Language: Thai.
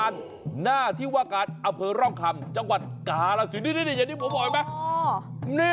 ใช่ที่ว่าการอเผินร่องคำจังหวัดกาลสินเห็นหรือเปล่า